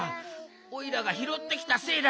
おいらがひろってきたせいだ。